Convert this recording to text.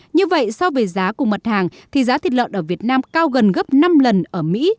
như vậy so với giá của mặt hàng thì giá thịt lợn ở việt nam cao gần gấp năm lần ở mỹ